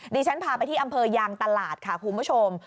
ดิฉันพาไปที่อำเภอยางตลาดค่ะคุณผู้ชม